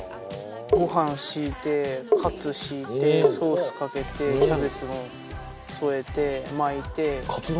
ご飯敷いてカツ敷いてソースかけてキャベツも添えて巻いて。